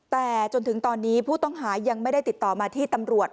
แต่จนถึงตอนนี้ผู้ต้องหายังไม่ได้ติดต่อมาที่ตำรวจ